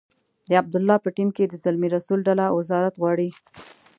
د عبدالله په ټیم کې د زلمي رسول ډله وزارت غواړي.